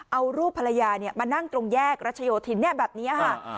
เอารูปภรรยามานั่งตรงแยกรัชโยธินแบบนี้ค่ะ